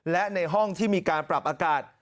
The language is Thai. และในห้องที่มีการปรับอากาศ